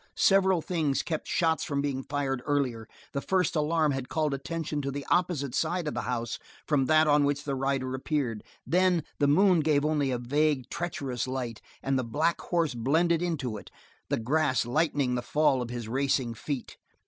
Several things kept shots from being fired earlier. The first alarm had called attention to the opposite side of the house from that on which the rider appeared; then, the moon gave only a vague, treacherous light, and the black horse blended into it the grass lightened the fall of his racing feet.